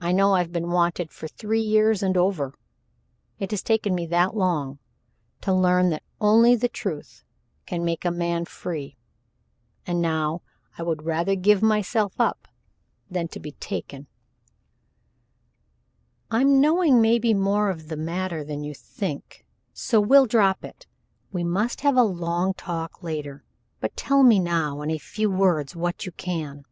I know I've been wanted for three years and over it has taken me that long to learn that only the truth can make a man free, and now I would rather give myself up, than to be taken " "I'm knowing maybe more of the matter than you think so we'll drop it. We must have a long talk later but tell me now in a few words what you can."